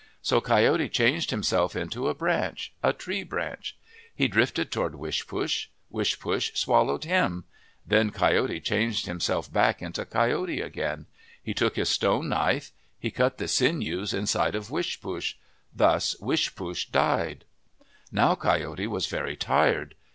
So Coyote changed himself into a branch, a tree branch. He drifted toward Wishpoosh. Wishpoosh swal lowed him. Then Coyote changed himself back 103 MYTHS AND LEGENDS into Coyote again. He took his stone knife. He cut the sinews inside of Wishpoosh. Thus Wish poosh died. Now Coyote was very tired.